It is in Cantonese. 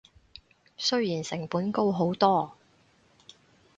雖然成本高好多